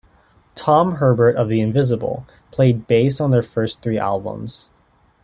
Tom Herbert of The Invisible played bass on their first three albums.